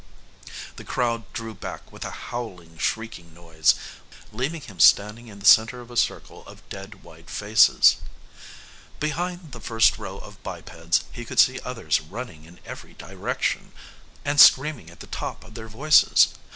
The crowd drew back with a howling, shrieking noise, leaving him standing in the center of a circle of dead white faces. Behind the first row of bipeds, he could see others running in every direction, and screaming at the top of their voices.